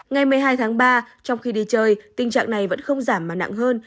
ngày một mươi hai tháng ba trong khi đi chơi tình trạng này vẫn không giảm mà nặng hơn